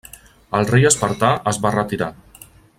El rei espartà es va retirar.